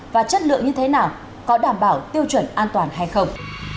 và chất lượng như thế nào có đảm bảo tiêu chuẩn an toàn hay không